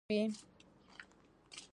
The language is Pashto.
بلکې ګډ او د ټولو وي.